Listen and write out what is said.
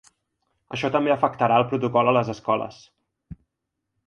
Això també afectarà al protocol a les escoles.